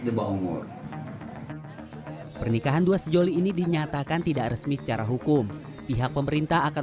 sebuah umur pernikahan dua sejoli ini dinyatakan tidak resmi secara hukum pihak pemerintah akan